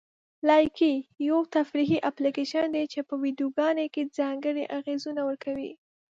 لایکي یو تفریحي اپلیکیشن دی چې په ویډیوګانو کې ځانګړي اغېزونه ورکوي.